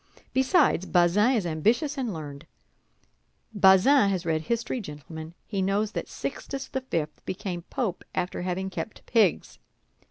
Besides, Bazin is ambitious and learned; Bazin has read history, gentlemen, he knows that Sixtus the Fifth became Pope after having kept pigs.